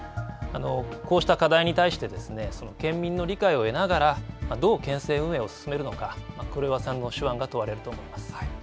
こうした課題に対して県民の理解を得ながらどう県政運営を進めるのか、黒岩さんの手腕が問われると思います。